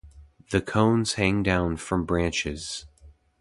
The cones hang down from branches.